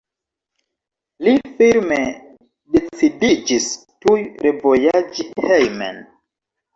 Li firme decidiĝis tuj revojaĝi hejmen.